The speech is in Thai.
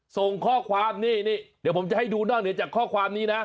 ส่งข้อความนี่นี่เดี๋ยวผมจะให้ดูนอกเหนือจากข้อความนี้นะ